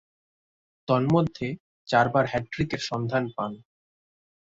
তন্মধ্যে, চারবার হ্যাট্রিকের সন্ধান পান।